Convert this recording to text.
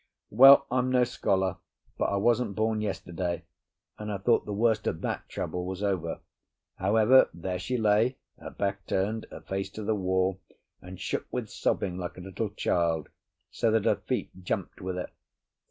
Well, I'm no scholar, but I wasn't born yesterday, and I thought the worst of that trouble was over. However, there she lay—her back turned, her face to the wall—and shook with sobbing like a little child, so that her feet jumped with it.